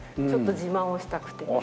ちょっと自慢をしたくて。